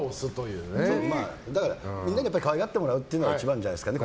だから、みんなに可愛がってもらうことが一番じゃないですかね